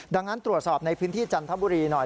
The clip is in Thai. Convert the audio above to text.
ดังนั้นตรวจสอบในพื้นที่จันทบุรีหน่อย